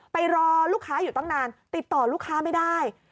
ไปรอลูกค้าอยู่ตั้งนานติดต่อลูกค้าไม่ได้